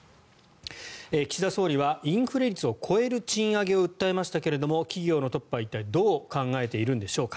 岸田総理はインフレ率を超える賃上げを訴えましたが企業のトップは、一体どう考えているんでしょうか。